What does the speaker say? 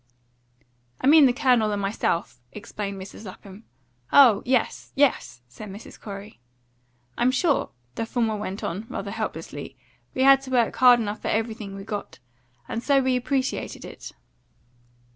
"I mean the Colonel and myself," explained Mrs. Lapham. "Oh yes yes!" said Mrs. Corey. "I'm sure," the former went on, rather helplessly, "we had to work hard enough for everything we got. And so we appreciated it."